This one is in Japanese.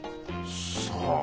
さあ。